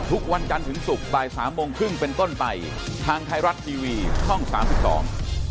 ทุกวันจันทร์ถึงศุกร์บ่ายสามโมงครึ่งเป็นต้นไปทางไทยรัฐทีวีช่องสามสิบสอง